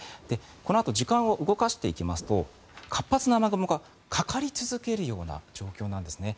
このあと時間を動かしていきますと活発な雨雲がかかり続けるような状況なんですね。